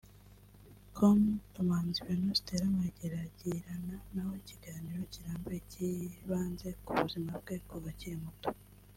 com Kamanzi Vénuste yaramwegereye agirana nawe ikiganiro kirambuye cyibanze ku buzima bwe kuva akiri muto